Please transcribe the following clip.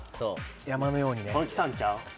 山のようにねこれきたんちゃう？